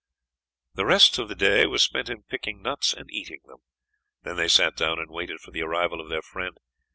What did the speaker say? The rest of the day was spent in picking nuts and eating them. Then they sat down and waited for the arrival of their friend.